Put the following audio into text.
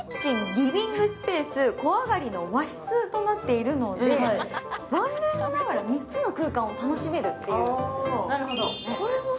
リビングスペース、小上がりの和室となっているのでワンルームながら３つの空間を楽しめるという。